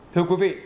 thưa quý vị